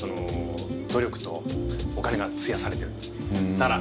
だから。